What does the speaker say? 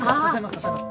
支えます。